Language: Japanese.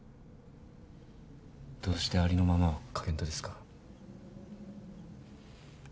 どうしてありのままを書けんとですか？